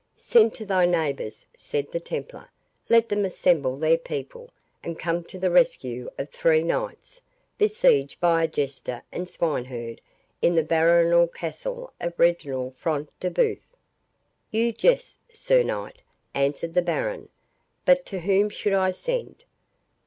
"Send to thy neighbours," said the Templar, "let them assemble their people, and come to the rescue of three knights, besieged by a jester and a swineherd in the baronial castle of Reginald Front de Bœuf!" "You jest, Sir Knight," answered the baron; "but to whom should I send?